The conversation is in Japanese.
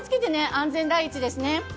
安全第一ですね。